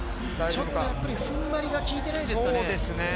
ちょっとやっぱり踏ん張りがきいていないですかね。